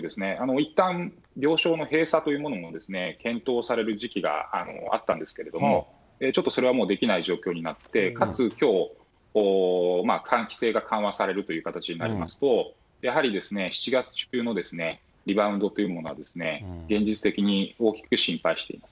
いったん病床の閉鎖というものも検討される時期があったんですけれども、ちょっとそれはもうできない状況になって、かつ、きょう、規制が緩和されるということになりますと、やはり７月中のリバウンドというものは現実的に大きく心配しています。